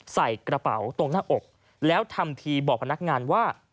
ใส่กระเป๋าตรงหน้าอกแล้วทำทีบอกพนักงานว่า